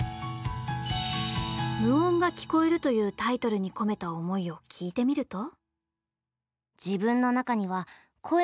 「無音が聴こえる」というタイトルに込めた思いを聞いてみると。